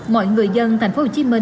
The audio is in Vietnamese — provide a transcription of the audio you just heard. mọi người dân tp hcm